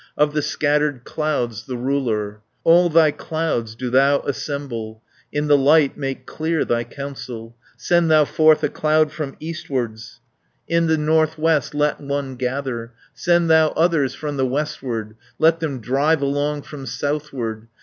Of the scattered clouds the ruler, 320 All thy clouds do thou assemble, In the light make clear thy counsel, Send thou forth a cloud from eastwards In the north west let one gather, Send thou others from the westward, Let them drive along from southward.